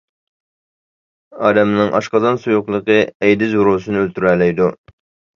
ئادەمنىڭ ئاشقازان سۇيۇقلۇقى ئەيدىز ۋىرۇسىنى ئۆلتۈرەلەيدۇ.